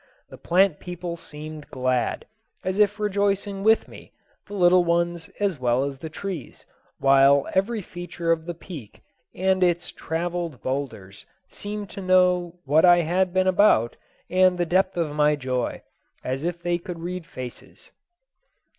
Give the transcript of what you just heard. The plant people seemed glad, as if rejoicing with me, the little ones as well as the trees, while every feature of the peak and its traveled boulders seemed to know what I had been about and the depth of my joy, as if they could read faces.